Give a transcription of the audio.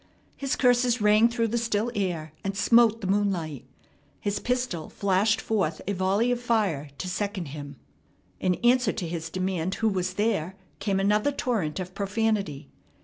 His curses rang through the still air and smote the moonlight. His pistol flashed forth a volley of fire to second him. In answer to his demand who was there came another torrent of profanity.